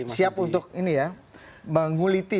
siap untuk menguliti